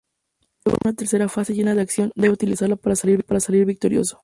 Luego en una tercera fase llena de acción debe utilizarla para salir victorioso.